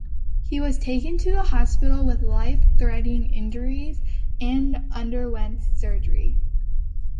He was taken to hospital with life-threatening injuries, and underwent surgery.